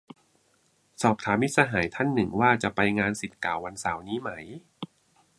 สอบถามมิตรสหายท่านหนึ่งว่าจะไปงานศิษย์เก่าวันเสาร์นี้ไหม